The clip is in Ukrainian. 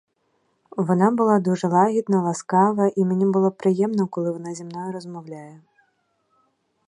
Вона була дуже лагідна, ласкава, і мені було приємно, коли вона зі мною розмовляє.